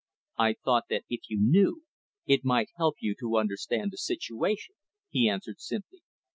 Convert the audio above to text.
"I thought that if you knew, it might help you to understand the situation," he answered simply.